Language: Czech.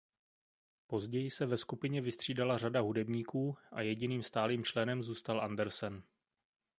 Později se ve skupině vystřídala řada hudebníků a jediným stálým členem zůstal Andersen.